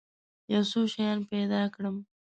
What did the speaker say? یو څو شیان پیدا کړم.